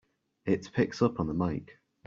It picks up on the mike!